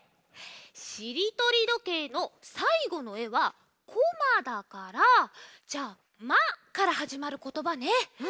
しりとりどけいのさいごのえは「こま」だからじゃあ「ま」からはじまることばね！